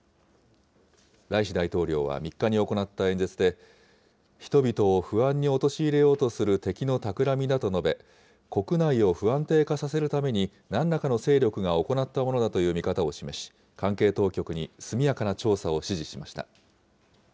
ライシ大統領は３日に行った演説で、人々を不安に陥れようとする敵のたくらみだと述べ、国内の不安定化させるために、なんらかの勢力が行ったものだという見方を示し、関係当局に速やかな調査を指示しました。